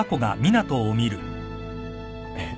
えっ？